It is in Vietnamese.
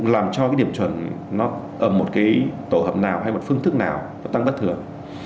làm cho cái điểm chuẩn nó ở một cái tổ hợp nào hay một phương thức nào nó tăng bất thường